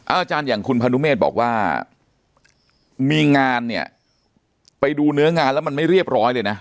อาจารย์อย่างคุณพนุเมฆบอกว่ามีงานเนี่ยไปดูเนื้องานแล้วมันไม่เรียบร้อยเลยนะ